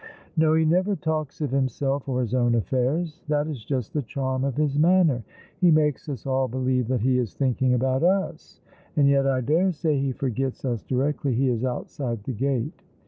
" No, he never talks of himself or his own affairs. That is just the charm of his manner. He makes us all believe that he is thinking about us ; and yet I dare say he forgets lis directly he is outside the gate."